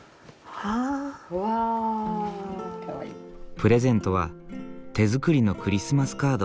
プレゼントは手作りのクリスマスカード。